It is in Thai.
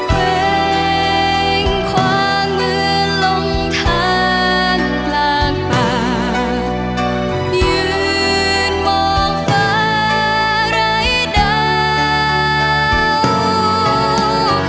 เพลงความเหมือนลงทางปลากปากยืนมองฟ้าไร้ดาว